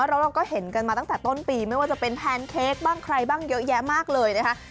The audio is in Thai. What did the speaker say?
แล้วเราก็เห็นกันมาตั้งแต่ต้นปีไม่ว่าจะเป็นแพนเค้กบ้างใครบ้างเยอะแยะมากเลยนะคะ